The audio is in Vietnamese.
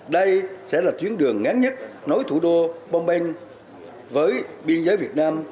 đây sẽ là chuyến đường ngắn nhất nối thủ đô bombay với biên giới việt nam